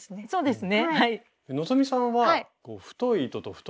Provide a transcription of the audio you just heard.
そうですね